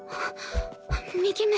右目。